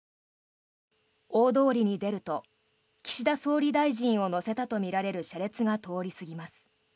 大通りに出ると岸田総理大臣を乗せたとみられる車列が通り過ぎます。